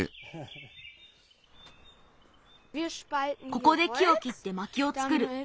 ここで木をきってまきをつくる。